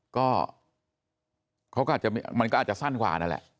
ก็มันก็อาจจะสั้นกว่านั่นแหละ